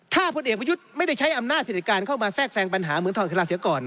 ถ้าพลเอกประยุทธ์ไม่ได้ใช้อำนาจผลิตการเข้ามาแทรกแทรงปัญหาเมืองทองศิลาเสียก่อน